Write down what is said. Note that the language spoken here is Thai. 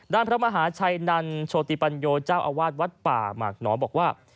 พระมหาชัยนันโชติปัญโยเจ้าอาวาสวัดป่าหมากหนอบอกว่า